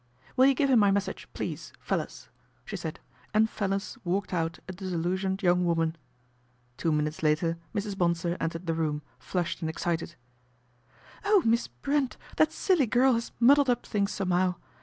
"Will you give him my message, please, Fellers ?" she said, and Fellers walked out a disillusioned young woman. Two minutes later Mrs. Bonsor entered the room, flushed and excited. " Oh, Miss Brent, that silly girl has muddled up things somehow